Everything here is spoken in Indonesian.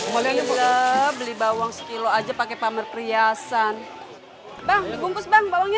boleh beli bawang sekilo aja pakai pamer priasan bang bungkus bang bawangnya